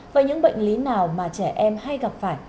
vậy những bệnh lý nào mà trẻ em hay gặp phải